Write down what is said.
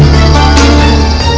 mengasuh anak saya yang bandel